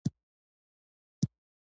ایا ستاسو موټر جوړ نه دی؟